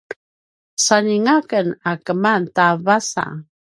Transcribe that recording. saljinga ken a keman ta vasa